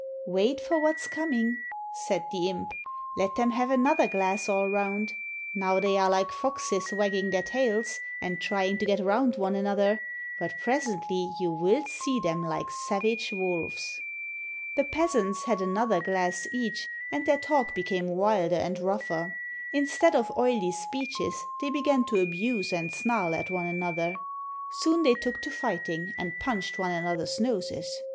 "Wait for what's coming/' said the imp. "Let them have another glass all round. Now they are like foxes, wagging their tails and trying to get round one another; but presently you will see them like savage wolves." The peasants had another glass each, and their talk became wilder and rougher. Instead of oily speeches, they began to abuse and snarl at one another. Soon they took to fighting, and punched one another's noses.